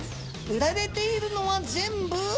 「売られているのは全部」？